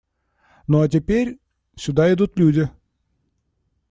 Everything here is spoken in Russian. Ну, а теперь… сюда идут люди.